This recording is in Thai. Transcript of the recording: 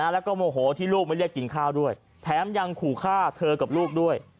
แล้วก็โมโหที่ลูกไม่เรียกกินข้าวด้วยแถมยังขู่ฆ่าเธอกับลูกด้วย